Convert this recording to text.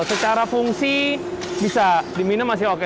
secara fungsi bisa diminum masih oke